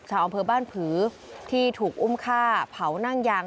อำเภอบ้านผือที่ถูกอุ้มฆ่าเผานั่งยาง